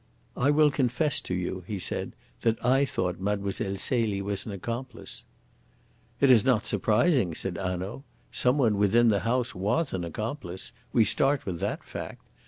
"I will confess to you," he said, "that I thought Mlle. Celie was an accomplice." "It is not surprising," said Hanaud. "Some one within the house was an accomplice we start with that fact.